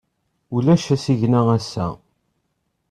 Ulac asigna ass-a.